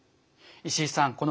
石井さん